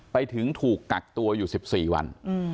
ไปถึงถูกกักตัวอยู่๑๔วัน